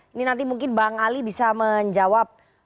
ini nanti mungkin bang ali bisa menjawab